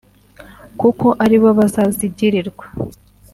kuko aribo bazazigirirwa